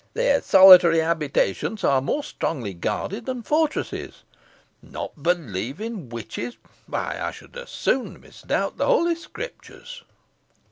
Their solitary habitations are more strongly guarded than fortresses. Not believe in witches! Why I should as soon misdoubt the Holy Scriptures."